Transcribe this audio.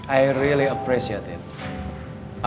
aku sangat menghargainya